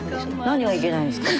何がいけないんですか？